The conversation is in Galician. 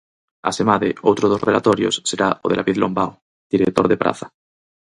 Asemade, outro dos relatorios será o de David Lombao, director de Praza.